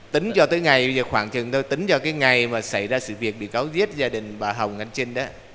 tính cho tới ngày khoảng chừng thôi tính cho cái ngày mà xảy ra sự việc bị cáo giết gia đình bà hồng anh trinh đó